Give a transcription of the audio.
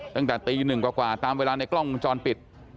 ตั้งแต่ตีหนึ่งกว่าตามเวลาในกล้องวงจรปิด